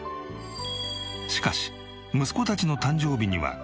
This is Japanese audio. しかし息子たちの誕生日には外食。